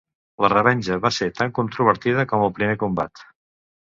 La revenja va ser tan controvertida com el primer combat.